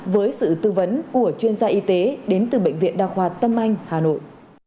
với sự tư vấn của chuyên gia y tế đến từ bệnh viện đa khoa tâm anh hà nội